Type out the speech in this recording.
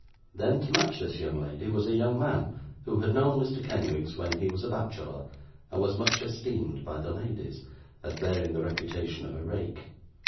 Then, to match this young lady, was a young man, who had known Mr. Kenwigs when he was a bachelor, and was much esteemed by the ladies, as bearing the reputation of a rake.